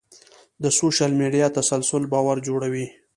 د سوشل میډیا تسلسل باور جوړوي.